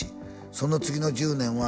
「その次の１０年は」